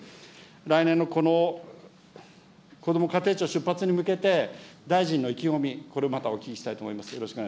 来年の、このこども家庭庁出発に向けて、大臣の意気込み、これをまたお聞きしたいと思います。